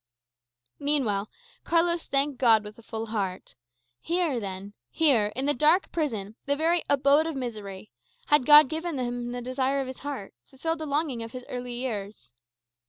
Meanwhile, Carlos thanked God with a full heart. Here, then here, in the dark prison, the very abode of misery had God given him the desire of his heart, fulfilled the longing of his early years.